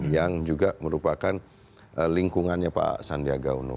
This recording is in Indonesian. yang juga merupakan lingkungannya pak sandiaga uno